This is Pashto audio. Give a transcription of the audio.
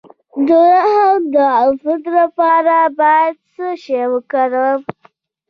د رحم د عفونت لپاره باید څه شی وکاروم؟